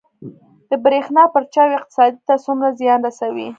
د بریښنا پرچاوي اقتصاد ته څومره زیان رسوي؟